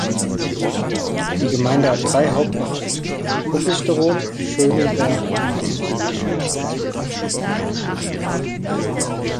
Die Gemeinde hat drei Hauptorte: Ruppichteroth, Schönenberg und Winterscheid.